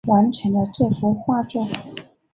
完成了这幅画作